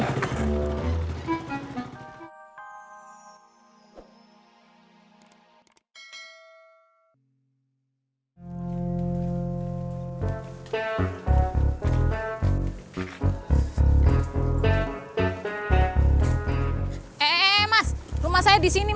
eh eh eh mas rumah saya di sini mas